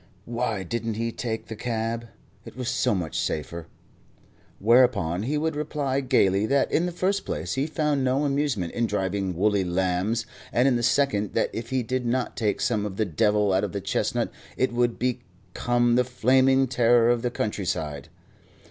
Why didn't he take the cob? It was so much safer. Whereupon he would reply gaily that in the first place he found no amusement in driving woolly lambs, and in the second that if he did not take some of the devil out of the chestnut it would become the flaming terror of the countryside.